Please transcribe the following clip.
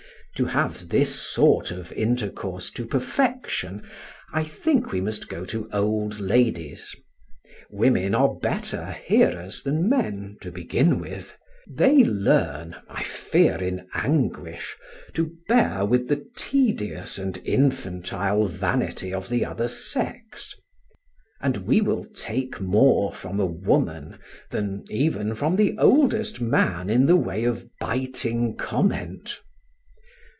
To have this sort of intercourse to perfection, I think we must go to old ladies. Women are better hearers than men, to begin with; they learn, I fear in anguish, to bear with the tedious and infantile vanity of the other sex; and we will take more from a woman than even from the oldest man in the way of biting comment.